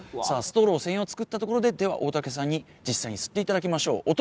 さあストローを作ったところででは大竹さんに実際に吸っていただきましょう。